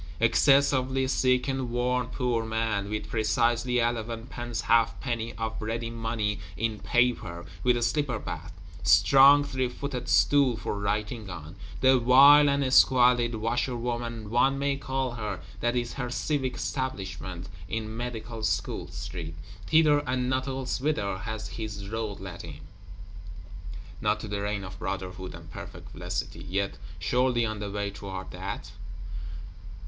Excessively sick and worn, poor man: with precisely eleven pence half penny of ready money, in paper; with slipper bath; strong three footed stool for writing on, the while; and a squalid Washer woman, one may call her: that is his civic establishment in Medical School Street; thither and not elsewhither has his road led him. Not to the reign of Brotherhood and Perfect Felicity: yet surely on the way toward that?